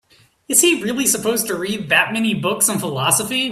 Is he really supposed to read that many books on philosophy?